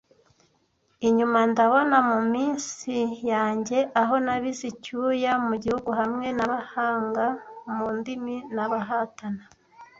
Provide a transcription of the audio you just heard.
Inyuma ndabona muminsi yanjye aho nabize icyuya mu gihu hamwe nabahanga mu ndimi nabahatana,